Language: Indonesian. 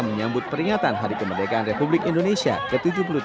menyambut peringatan hari kemerdekaan republik indonesia ke tujuh puluh tiga